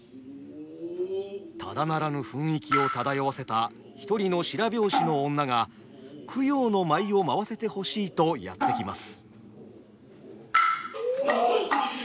ただならぬ雰囲気を漂わせた一人の白拍子の女が供養の舞を舞わせてほしいとやって来ます。